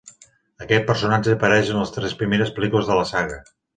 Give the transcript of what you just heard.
Aquest personatge apareix en les tres primeres pel·lícules de la saga.